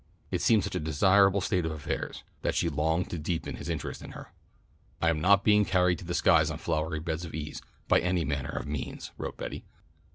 It seemed to her such a desirable state of affairs that she longed to deepen his interest in her. "I am not being carried to the skies on flowery beds of ease, by any manner of means," wrote Betty.